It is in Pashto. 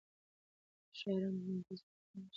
د شاعرانو لمانځنه زموږ د ملي شعور نښه ده.